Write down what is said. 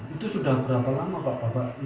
itu sudah berapa lama pak bapak